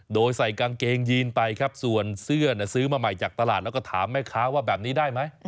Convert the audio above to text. โดยใส่กางเกงยีนไปครับส่วนเสื้อซื้อมาใหม่จากตลาดแล้วก็ถามแม่ค้าว่าแบบนี้ได้ไหม